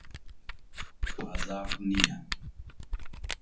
بازاڕ نییە.